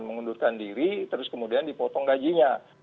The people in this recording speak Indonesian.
mengundurkan diri terus kemudian dipotong gajinya